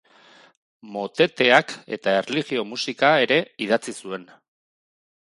Moteteak eta erlijio-musika ere idatzi zuen.